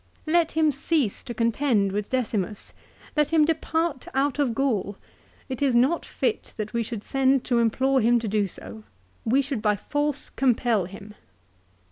"Let him cease to contend with Decimus. Let him depart out of Gaul. It is not fit that we should send to implore him to do so. We should by force compel him."